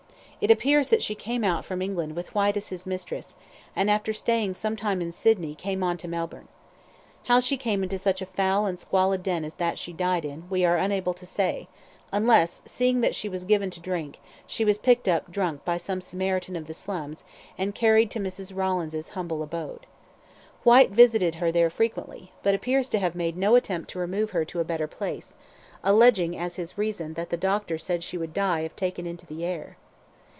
It appears that she came out from England with Whyte as his mistress, and after staying some time in Sydney came on to Melbourne. How she came into such a foul and squalid den as that she died in, we are unable to say, unless, seeing that she was given to drink, she was picked up drunk by some Samaritan of the slums, and carried to Mrs. Rawlins' humble abode. Whyte visited her there frequently, but appears to have made no attempt to remove her to a better place, alleging as his reason that the doctor said she would die if taken into the air.